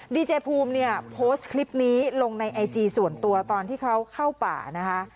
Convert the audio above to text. ดีเจภูมิเนี่ยโพสต์คลิปนี้ลงในไอจีส่วนตัวตอนที่เขาเข้าป่านะคะ